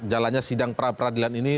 jalannya sidang peradilan ini